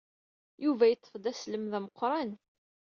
Yuba yeṭṭef-d aslem d ameqqran.